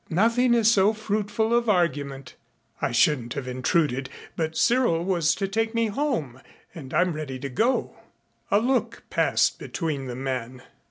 "Nothing is so fruitful of argument. I shouldn't have intruded, but Cyril was to take me home and I'm ready to go." A look passed between the men.